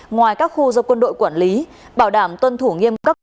ngoài các khu do quân đội quản lý bảo đảm tuân thủ nghiêm cấp